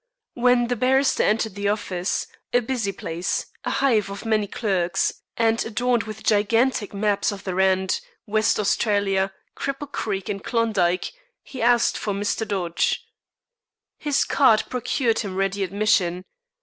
When the barrister entered the office, a busy place, a hive of many clerks, and adorned with gigantic maps of the Rand, West Australia, Cripple Creek, and Klondike, he asked for "Mr. Dodge." His card procured him ready admission.